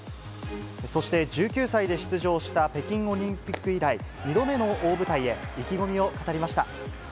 そして１９歳で出場した北京オリンピック以来、２度目の大舞台へ、意気込みを語りました。